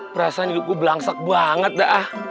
perasaan hidup gua belangsek banget dah